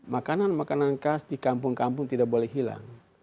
makanan makanan khas di kampung kampung tidak boleh hilang